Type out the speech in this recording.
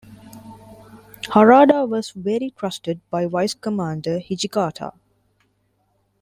Harada was very trusted by vice-commander Hijikata.